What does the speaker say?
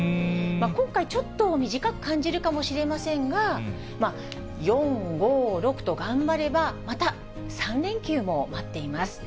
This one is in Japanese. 今回、ちょっと短く感じるかもしれませんが、４、５、６と頑張れば、また３連休も待っています。